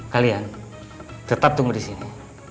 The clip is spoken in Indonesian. kalian tetap tunggu disini